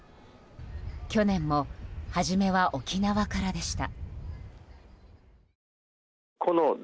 去年も初めは沖縄からでした。